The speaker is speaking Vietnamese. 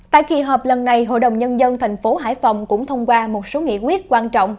tại kỳ họp lần này hội đồng nhân dân thành phố hải phòng cũng thông qua một số nghị quyết quan trọng